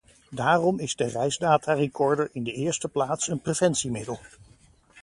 Daarom is de reisdatarecorder in de eerste plaats een preventiemiddel.